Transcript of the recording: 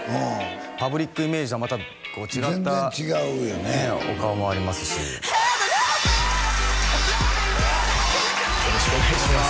パブリックイメージとはまた違った全然違うよねお顔もありますしよろしくお願いします